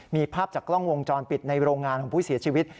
มีภาพจากกล้องวงจรปิดในโรงงานของผู้เสียชีวิต